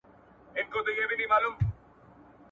دولتونه څنګه نړيوالي اړيکي ساتي؟